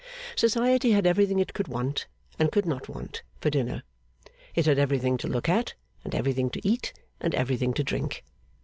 Society had everything it could want, and could not want, for dinner. It had everything to look at, and everything to eat, and everything to drink.